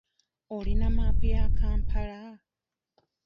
Olina maapu ya Kampala?